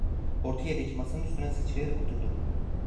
Orta yerdeki masanın üstüne sıçrayarak oturdum.